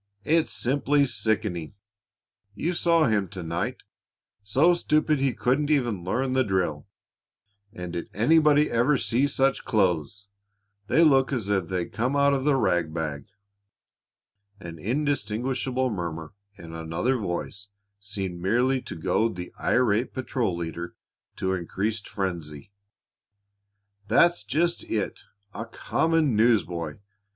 It's simply sickening! You saw him to night; so stupid he couldn't even learn the drill, and did anybody ever see such clothes? They look as if they'd come out of the rag bag." An indistinguishable murmur in another voice seemed merely to goad the irate patrol leader to increased frenzy. "That's just it a common newsboy!